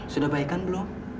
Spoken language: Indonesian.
sudah baikkan belum